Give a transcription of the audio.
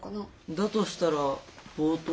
だとしたら冒頭は。